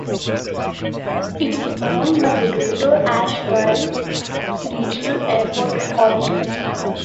It is owned by the Greater Asheville Regional Airport Authority.